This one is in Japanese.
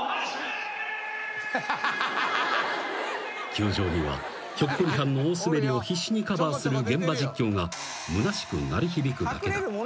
［球場にはひょっこりはんの大スベリを必死にカバーする現場実況がむなしく鳴り響くだけだった］